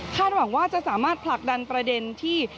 หวังว่าจะสามารถผลักดันประเด็นที่